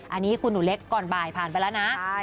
อันนี้คุณหนูเล็กก่อนบ่ายผ่านไปแล้วนะ